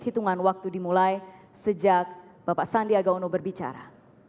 hitungan waktu dimulai sejak bapak sandi agaono berbicara